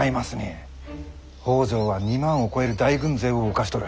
北条は２万を超える大軍勢を動かしとる。